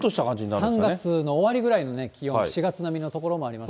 ３月の終わりぐらいの気温、４月並みの所もありますね。